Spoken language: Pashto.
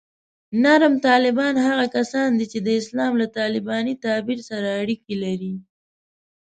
نرم طالبان هغه کسان دي چې د اسلام له طالباني تعبیر سره اړیکې لري